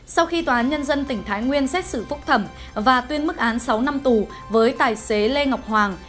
sau khi tòa án nhân dân tỉnh thái nguyên xét xử phúc thẩm và tuyên mức án sáu năm tù với tài xế lê ngọc hoàng